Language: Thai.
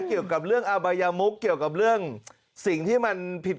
เกี่ยวกับเรื่องอบายมุกเกี่ยวกับเรื่องสิ่งที่มันผิด